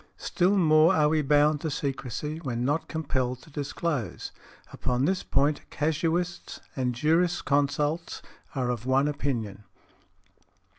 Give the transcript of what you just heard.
Still more are we bound to secrecy when not compelled to disclose. Upon this point casuists and jurisconsults are of one opinion .